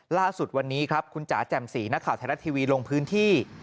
ล่าสุดวันนี้ครับคุณจ๋าแจ่มสีนักข่าวไทยรัฐทีวีลงพื้นที่